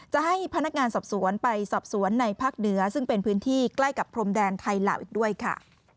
จะให้พนักงานสอบสวนไปสอบสวนในภาคเหนือซึ่งเป็นพื้นที่ใกล้กับพรมแดนไทยลาวอีกด้วยค่ะ